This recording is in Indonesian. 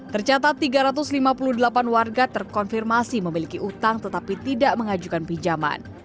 tercatat tiga ratus lima puluh delapan warga terkonfirmasi memiliki utang tetapi tidak mengajukan pinjaman